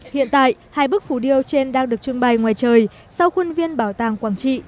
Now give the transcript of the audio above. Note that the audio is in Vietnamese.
hiện tại hai bức phủ điêu trên đang được trưng bày ngoài trời sau khuôn viên bảo tàng quảng trị